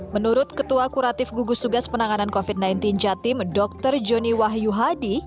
menurut ketua kuratif gugus tugas penanganan covid sembilan belas jatim dr joni wahyu hadi